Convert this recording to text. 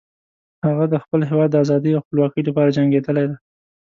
هغه د خپل هیواد د آزادۍ او خپلواکۍ لپاره جنګیدلی ده